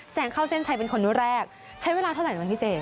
งเข้าเส้นชัยเป็นคนแรกใช้เวลาเท่าไหร่ไหมพี่เจ